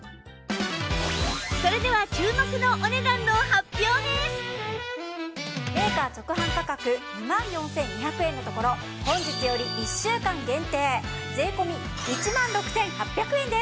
それでは注目のメーカー直販価格２万４２００円のところ本日より１週間限定税込１万６８００円です！